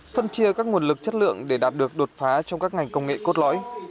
phân chia các nguồn lực chất lượng để đạt được đột phá trong các ngành công nghệ cốt lõi